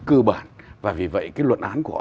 cơ bản và vì vậy cái luận án của họ